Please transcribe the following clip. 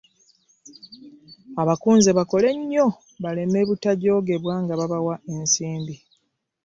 Abakunze bakole nnyo baleme butajoogebwa nga babawa ensimbi